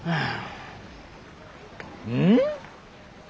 うん！？